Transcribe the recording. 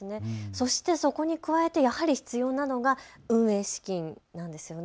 そしてそこに加えてやはり必要なのが運営資金なんですよね。